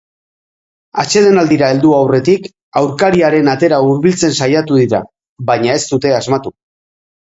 Atsedenaldira heldu aurretik aurkariaren atera hurbiltzen saiatu dira, baina ez dute asmatu.